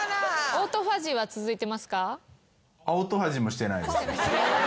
オートファジーは続いてますか？